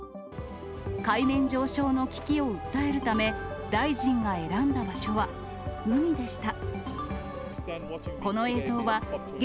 海面上昇の危機を訴えるため、大臣が選んだ場所は海でした。